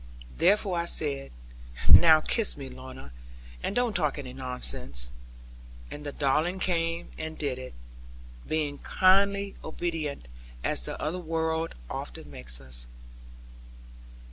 Therefore I said, 'Now kiss me, Lorna; and don't talk any nonsense.' And the darling came and did it; being kindly obedient, as the other world often makes us.